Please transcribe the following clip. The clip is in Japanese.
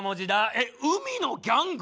えっ海のギャング？